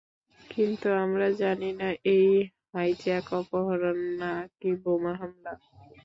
কিন্তু আমরা জানি না এটা হাইজ্যাক, অপহরণ না কি বোমা হামলা।